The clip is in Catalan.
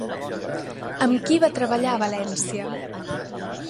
Amb qui va treballar a València?